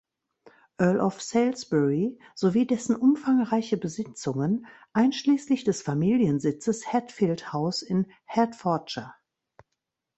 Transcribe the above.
Earl of Salisbury sowie dessen umfangreiche Besitzungen einschließlich des Familiensitzes Hatfield House in Hertfordshire.